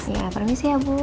ya permisi ya bu